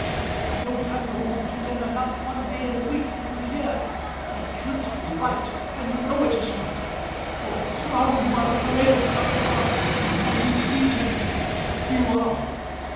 I don't have you home to dinner not one day in the week through the year. That can't be right, and you know it is not. Oh Tom! you are breaking my heart, and deceiving me, you are.